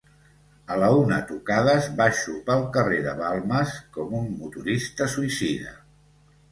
A la una tocades baixo pel carrer de Balmes com un motorista suïcida.